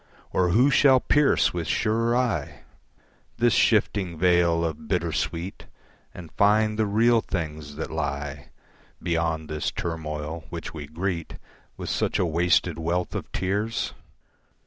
Or who shall pierce with surer eye! This shifting veil of bittersweet And find the real things that lie Beyond this turmoil, which we greet With such a wasted wealth of tears?